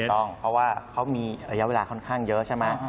ต้องเพราะว่าเขามีระยะเวลาค่อนข้างเยอะใช่ไหม